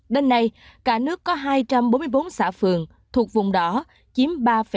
đến nay cả nước có hai trăm bốn mươi bốn xã phường thuộc vùng đỏ chiếm ba bốn